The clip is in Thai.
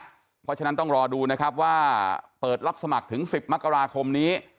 เพราะฉะนั้นต้องรอดูนะครับว่าเปิดรับสมัครถึง๑๐มกราคมนี้